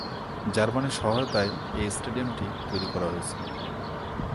জার্মানির সহায়তায় এই স্টেডিয়ামটি তৈরি করা হয়েছিল।